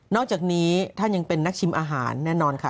อกจากนี้ท่านยังเป็นนักชิมอาหารแน่นอนค่ะ